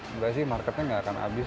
enggak sih marketnya nggak akan habis